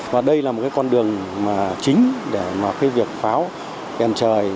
và đây là một con đường chính để việc pháo đèn trời